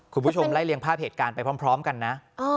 คุณผู้ชมไล่เลียงภาพเหตุการณ์ไปพร้อมกันนะ